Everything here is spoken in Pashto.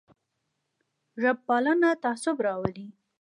ژب پالنه تعصب راوړي